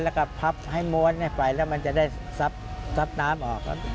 แล้วก็พับให้ม้วนไปแล้วมันจะได้ซับน้ำออก